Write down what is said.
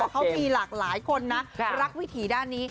เขามีหลากหลายคนนะรักวิถีด้านนี้